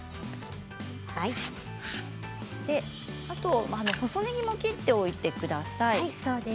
あと細ねぎも切っておいてください。